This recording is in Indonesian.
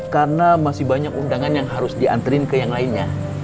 karena masih banyak undangan yang harus dianterin ke yang lainnya